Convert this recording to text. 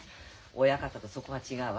親方とそこが違うわ。